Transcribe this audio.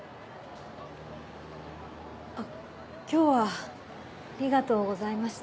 あっ今日はありがとうございました。